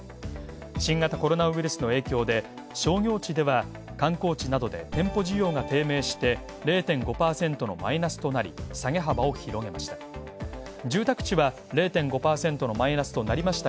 新型コロナウイルスの影響で商業地では観光地などで店舗需要が低迷して０．５％のマイナスとなり、下げ幅を広げました。